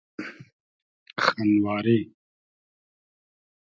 خئنواری